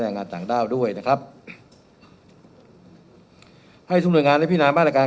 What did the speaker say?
งานต่างด้าวด้วยนะครับให้ทุกหน่วยงานได้พินามาตรการ